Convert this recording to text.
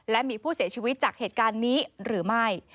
และมีผู้เสียชีวิตจากเหตุการณ์นี้หรือไม่